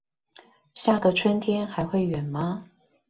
下個春天還會遠嗎